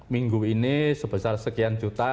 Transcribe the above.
minggu ini sebesar sekian juta